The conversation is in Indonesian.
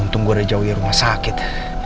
untung gue udah jauhi rumah sakit